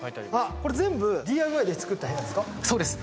これ全部ＤＩＹで作った部屋ですか？